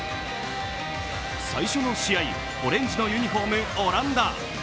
最初の試合、オレンジのユニフォーム、オランダ。